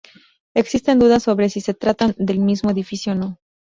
Existen dudas sobre si se tratan del mismo edificio o no.